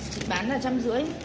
chị bán là trăm rưỡi